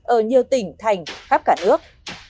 ở nhiều tỉnh thành khắp cả nước